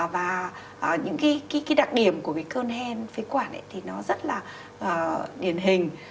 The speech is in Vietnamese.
và những đặc điểm của cơn hen phế quản thì rất điển hình